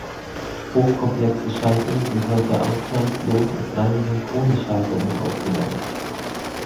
Hochkomplexe Schaltungen sind heute ausnahmslos als rein synchrone Schaltungen aufgebaut.